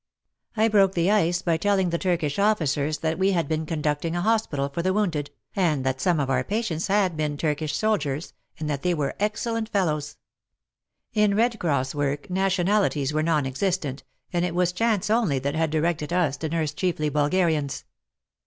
I broke the ice by telling the Turkish officers that we had been conducting a hospital for the wounded, and that some of our patients had been Turkish soldiers and that they were excellent fellows. In Red Cross work nation alities were non existent, and it was chance only that had directed us to nurse chiefly Bulgarians.